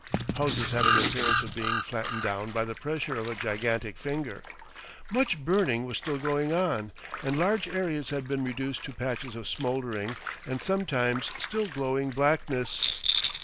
Houses had an appearance of being flattened down by the pressure of a gigantic finger. Much burning was still going on, and large areas had been reduced to patches of smouldering and sometimes still glowing blackness.